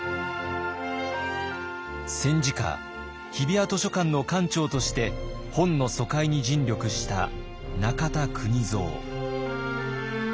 戦時下日比谷図書館の館長として本の疎開に尽力した中田邦造。